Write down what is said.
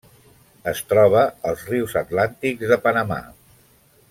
Es troba als rius atlàntics de Panamà.